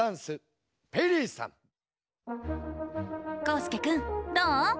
こうすけくんどう？